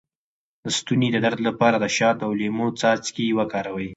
د ستوني د درد لپاره د شاتو او لیمو څاڅکي وکاروئ